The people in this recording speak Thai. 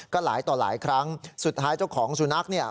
ก็หลายต่อหลายครั้งสุดท้ายเจ้าของสุนัขเนี่ย